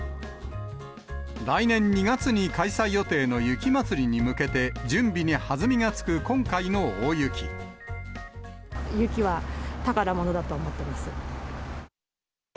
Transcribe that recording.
来年２月に開催予定の雪祭りに向けて、準備に弾みがつく今回の大雪は宝物だと思ってます。